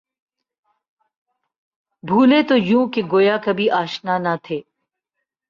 بُھولے تو یوں کہ گویا کبھی آشنا نہ تھے